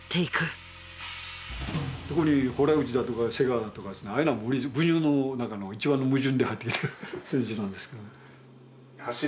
特に洞口だとか瀬川だとかですねああいうのは矛盾の中の一番の矛盾で入ってきてる選手なんですけどね。